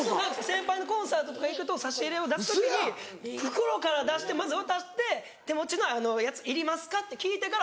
先輩のコンサートとか行くと差し入れを出す時に袋から出してまず渡して「手持ちのやついりますか？」って聞いてから渡す。